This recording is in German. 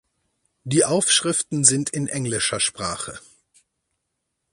Die Aufschriften sind in englischer Sprache.